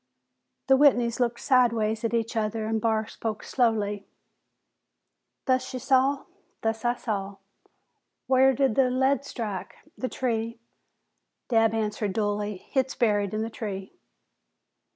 The Whitneys looked sidewise at each other and Barr spoke slowly, "Thus ye saw?" "Thus I saw." "Whar did the lead strike?" "The tree," Dabb answered dully. "Hit's buried in the tree."